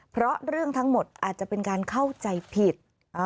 เพราะเรื่องทั้งหมดอาจจะเป็นการเข้าใจผิด